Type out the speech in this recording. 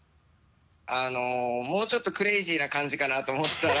もうちょっとクレイジーな感じかなと思ったら。